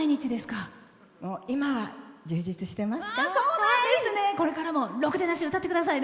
今は充実してます。